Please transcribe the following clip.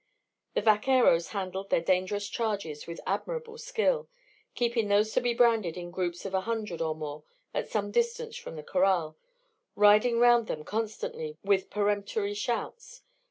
The vaqueros handled their dangerous charges with admirable skill, keeping those to be branded in groups of a hundred or more at some distance from the corral, riding round them constantly with peremptory shouts.